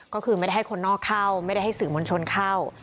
ก็คือไม่ได้ให้คนนอกเข้าไม่ได้ให้สื่อมวลชนเข้า